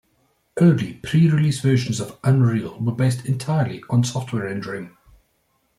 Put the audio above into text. Early pre-release versions of "Unreal" were based entirely on software rendering.